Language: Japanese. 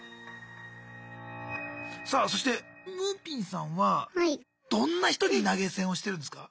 さあそしてむーぴんさんはどんな人に投げ銭をしてるんですか？